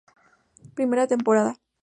Primera temporada